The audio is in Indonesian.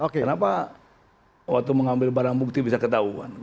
kenapa waktu mengambil barang bukti bisa ketahuan